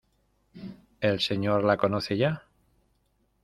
¿ el Señor la conoce ya?